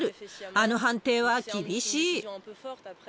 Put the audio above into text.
あの判定は厳しい。